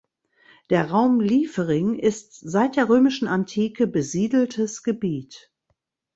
Der Raum Liefering ist seit der römischen Antike besiedeltes Gebiet.